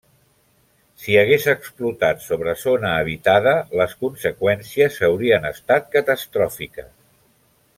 Si hagués explotat sobre zona habitada, les conseqüències haurien estat catastròfiques.